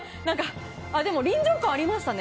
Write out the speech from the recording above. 臨場感ありましたね。